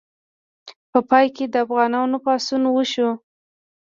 په پای کې د افغانانو پاڅون وشو.